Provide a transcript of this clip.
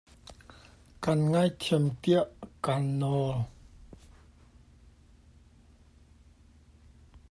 Ka ngaithiam tiah ka nawl.